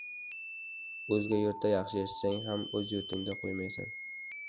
• O‘zga yurtda yaxshi yashasang ham o‘z yurtingni qo‘msaysan.